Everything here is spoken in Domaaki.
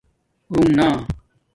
رُݣنا